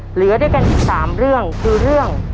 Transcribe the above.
เหลือได้เป็น๑๓เรื่องคือเรื่อง